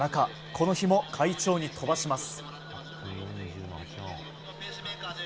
この日も快調に飛ばします。